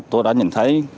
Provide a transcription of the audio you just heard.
tôi đã nhìn thấy